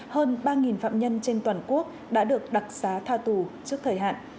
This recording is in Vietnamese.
hơn ba phạm nhân trên toàn quốc đã được đặc xá tha tù trước thời hạn